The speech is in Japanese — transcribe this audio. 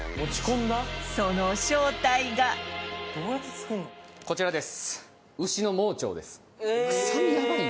その正体がこちらです